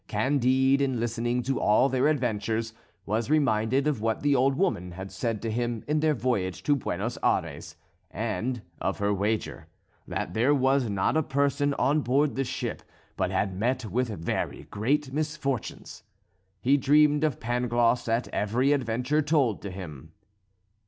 Candide, in listening to all their adventures, was reminded of what the old woman had said to him in their voyage to Buenos Ayres, and of her wager that there was not a person on board the ship but had met with very great misfortunes. He dreamed of Pangloss at every adventure told to him.